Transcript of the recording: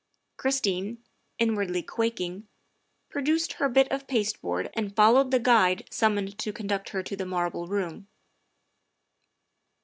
Christine, inwardly quaking, produced her bit of pasteboard and followed the guide summoned to con duct her to the Marble Room.